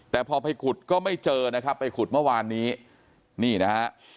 แต่พอไปขุดก็ไม่เจอนะครับไปขุดเมื่อวานนี้นี่นะฮะ